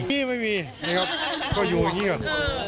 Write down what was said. นี่ไม่มีก็อยู่อย่างนี้ก่อน